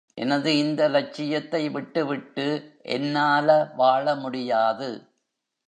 எனது இந்த லட்சியத்தை விட்டு விட்டு என்னால வாழ முடியாது.